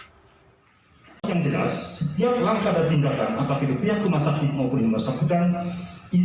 yang jelas setiap langkah dan tindakan atau hidup pihak rumah sakit maupun yang bersakutan